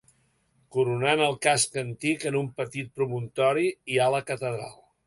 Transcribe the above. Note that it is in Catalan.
Coronant el Casc Antic, en un petit promontori, hi ha la catedral